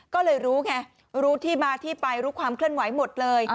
ก็เลยรู้ไงรู้ที่มาที่ไปรู้ความเคลื่อนไหวหมดเลย